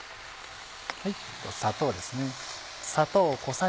砂糖ですね。